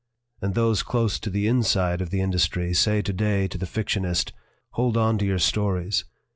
And those close to the 'inside' of the industry say to day to the fictionist: 'Hold on to your stories.